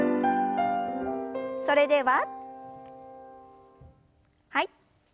それでははい。